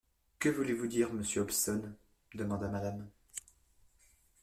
Que voulez-vous dire, monsieur Hobson? demanda Mrs.